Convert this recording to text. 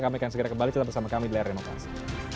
kami akan segera kembali bersama kami di layar remotasi